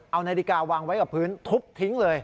เอานาฬิกาวางไว้กับพื้นทุบทิ้งเลย